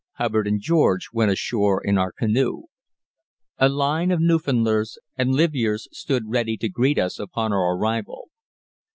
Hubbard and George went ashore in our canoe. A line of Newfoundlanders and "livyeres" stood ready to greet us upon our arrival.